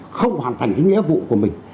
không hoàn thành cái nghĩa vụ của mình